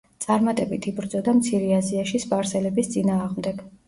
წარმატებით იბრძოდა მცირე აზიაში სპარსელების წინააღმდეგ.